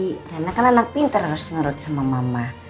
karena kan anak pintar harus menurut sama mama